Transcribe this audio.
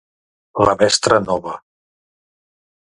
La mestra nova.